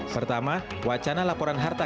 pertama wacana laporan kpu